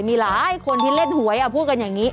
มีหลายคนที่เล่นหวยพูดกันอย่างนี้